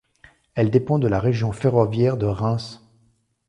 Elle dépend de la région ferroviaire de Reims.